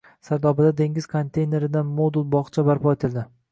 Sardobada dengiz konteyneridan modul bog‘cha barpo etildi